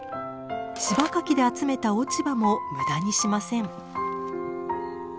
柴かきで集めた落ち葉も無駄にしません。